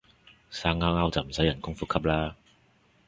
生勾勾就唔使人工呼吸啦